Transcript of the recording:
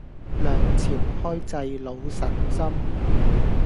兩朝開濟老臣心